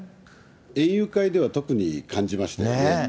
園遊会では特に感じましたね。